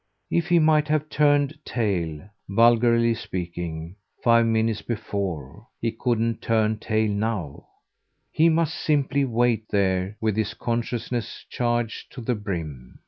If he might have turned tail, vulgarly speaking, five minutes before, he couldn't turn tail now; he must simply wait there with his consciousness charged to the brim.